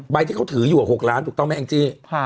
ใบที่เขาถืออยู่อ่ะ๖ล้านถูกต้องไหมอังจิ